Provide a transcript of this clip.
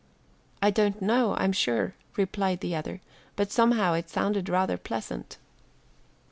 "I don't know, I'm sure," replied the other, "but somehow it sounded rather pleasant."